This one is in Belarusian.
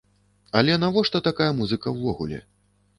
Але навошта такая музыка ўвогуле?